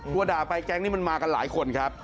ด่าไปแก๊งนี้มันมากันหลายคนครับ